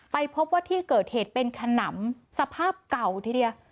ไปพบว่าที่เกิดเหตุเป็นขนำสภาพเก่าทีเดียว